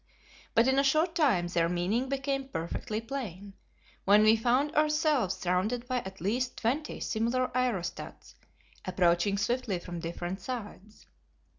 But in a short time their meaning became perfectly plain, when we found ourselves surrounded by at least twenty similar aerostats approaching swiftly from different sides.